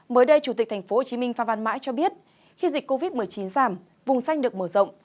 mới đây chủ tịch tp hcm phan văn mãi cho biết khi dịch covid một mươi chín giảm vùng xanh được mở rộng